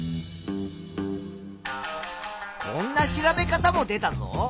こんな調べ方も出たぞ。